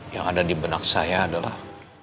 yang ada di benak saya adalah